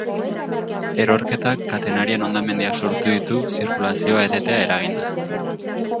Erorketak, katenarian hondamendiak sortu ditu zirkulazioa etetea eraginda.